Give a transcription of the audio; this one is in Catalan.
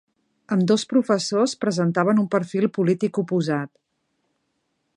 Ambdós professors presentaven un perfil polític oposat.